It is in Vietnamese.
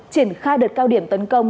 triển khai đợt cao điểm tấn công